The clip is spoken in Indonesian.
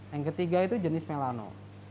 yang ketiga itu jenis melano